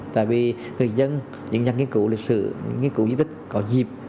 tại vì người dân những nhà nghiên cứu lịch sử nghiên cứu di tích có dịp